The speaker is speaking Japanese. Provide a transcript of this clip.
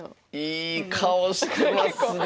いい顔してますねえ。